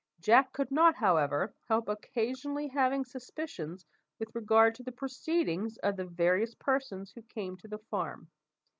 Jack could not, however, help occasionally having suspicions with regard to the proceedings of the various persons who came to the farm.